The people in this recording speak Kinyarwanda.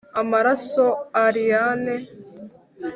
amaraso, allayne.